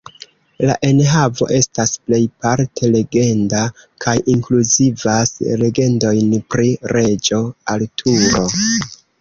La enhavo estas plejparte legenda, kaj inkluzivas legendojn pri Reĝo Arturo.